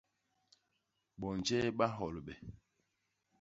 Bonje ba nholbe?